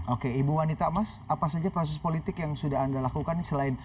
oke ibu wanita mas apa saja proses politik yang sudah anda lakukan selain